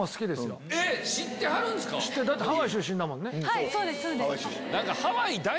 はいそうです。